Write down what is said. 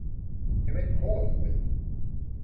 เซเว่นโคตรรวย